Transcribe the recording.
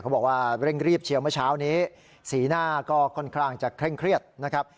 บอกว่าเร่งรีบเชียวเมื่อเช้านี้สีหน้าก็ค่อนข้างจะเคร่งเครียดนะครับ